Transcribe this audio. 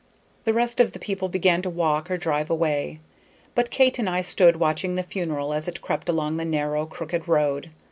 The rest of the people began to walk or drive away, but Kate and I stood watching the funeral as it crept along the narrow, crooked road.